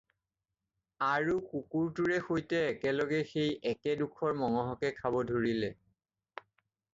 আৰু কুকুৰটোৰে সৈতে একেলগে সেই একে ডোখৰ মঙহকে খাব ধৰিলে